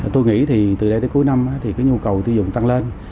tôi nghĩ thì từ đây tới cuối năm thì cái nhu cầu tiêu dùng tăng lên